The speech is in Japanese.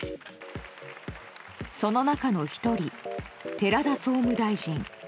その中の１人、寺田総務大臣。